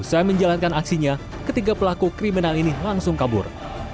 usai menjalankan aksinya ketiga pelaku kriminal ini langsung kabur